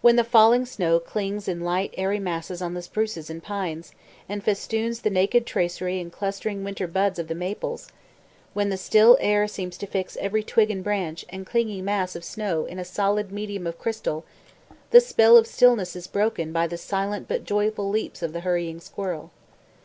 When the falling snow clings in light, airy masses on the spruces and pines, and festoons the naked tracery and clustering winter buds of the maples when the still air seems to fix every twig and branch and clinging mass of snow in a solid medium of crystal, the spell of stillness is broken by the silent but joyful leaps of the hurrying squirrel.